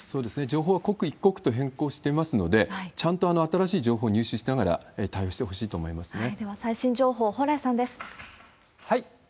情報は刻一刻と変更していますので、ちゃんと新しい情報を入手しながら対応してほしいと思いますね。